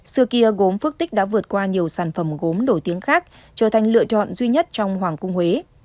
xưa kia gốm phước tích đã vượt qua nhiều sản phẩm gốm nổi tiếng khác trở thành lựa chọn duy nhất trong hoàng cung huế